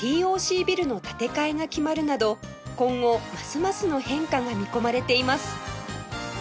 ＴＯＣ ビルの建て替えが決まるなど今後ますますの変化が見込まれています